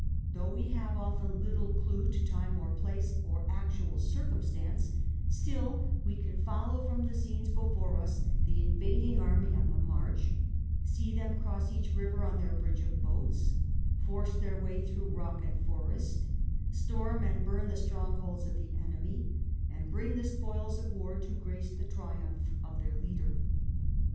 Though we have often little clue to time or place or actual circumstance, still we can follow from the scenes before us the invading army on the march, see them cross each river on their bridge of boats, force their way through rock and forest, stoiin and bum the strongholds of the enemy, and bring the spoils of war to grace the triumph of their leader.